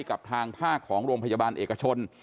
กับทางภาคของโรงพยาบาลเอกชน